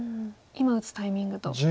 今打つタイミングと。